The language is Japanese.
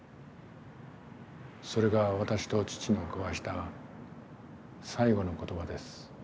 それが私と父の交わした最後の言葉です。